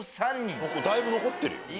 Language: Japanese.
だいぶ残ってるよ。